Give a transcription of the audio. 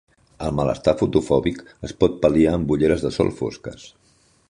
El malestar fotofòbic es pot pal·liar amb ulleres de sol fosques.